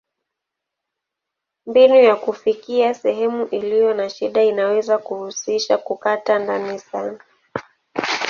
Mbinu ya kufikia sehemu iliyo na shida inaweza kuhusisha kukata ndani sana.